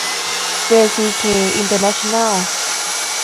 เจซีเค อินเตอร์เนชั่นแนล